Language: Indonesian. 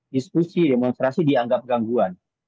diskusi demonstrasi dianggap gangguan